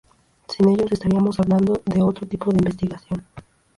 Sin ellos, estaríamos hablando de otro tipo de investigación.